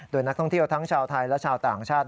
โดยนักท่องเที่ยวทั้งชาวไทยและชาวต่างชาติ